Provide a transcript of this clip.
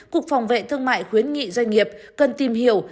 cục phòng vệ thương mại khuyến nghị doanh nghiệp cần tìm hiểu